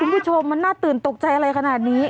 คุณผู้ชมมันน่าตื่นตกใจอะไรขนาดนี้